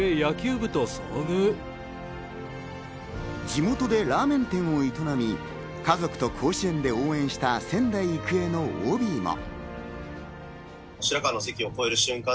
地元でラーメン店を営み、家族と甲子園で応援した仙台育英のＯＢも。